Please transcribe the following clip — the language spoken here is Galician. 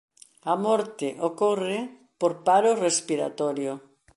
A morte ocorre por paro respiratorio.